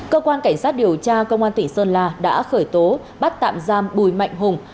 cơ quan cảnh sát điều tra công an tỉnh sơn la đã khởi tố bắt tạm giam bùi mạnh hùng